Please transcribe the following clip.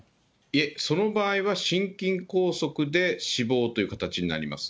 いえ、その場合は心筋梗塞で死亡という形になります。